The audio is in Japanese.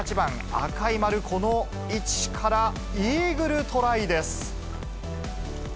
赤い丸、この位置からイーグルトライです。